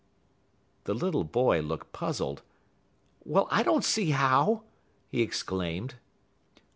The little boy looked puzzled. "Well, I don't see how," he exclaimed.